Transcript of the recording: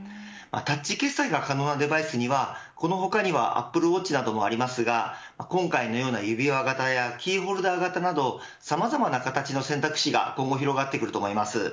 タッチ決済が可能なデバイスにはこの他にはアップルウォッチなどがありますが今回のような指輪型やキーホルダー型などさまざまな形の選択肢が今後、広がると思います。